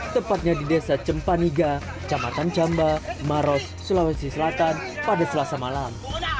tepatnya di desa cempaniga camatan camba maros sulawesi selatan pada selasa malam